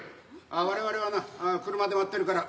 我々はな車で待ってるから。